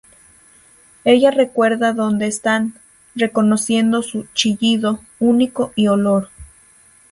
Ella recuerda donde están, reconociendo su "chillido" único y olor.